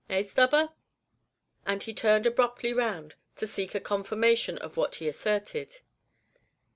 Eh, Stubber?" and he turned abruptly round to seek a confirmation of what he asserted.